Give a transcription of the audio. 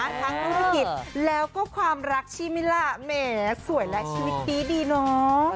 ทั้งธุรกิจแล้วก็ความรักใช่ไหมล่ะแหมสวยและชีวิตดีเนาะ